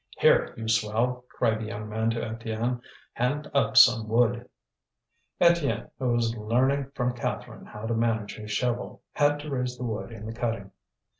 "Here, you swell," cried the young man to Étienne, "hand up some wood." Étienne, who was learning from Catherine how to manage his shovel, had to raise the wood in the cutting.